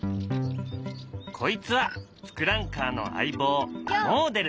こいつはツクランカーの相棒もおでる。